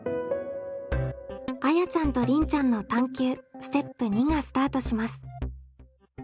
あやちゃんとりんちゃんの探究ステップ２がスタートします。